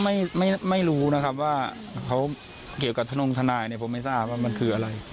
ไม่รู้นะครับว่าเขาเกี่ยวกับทนงทนายเนี่ยผมไม่ทราบว่ามันคืออะไร